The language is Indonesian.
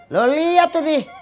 lu liat tuh dih